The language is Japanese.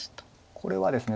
これはですね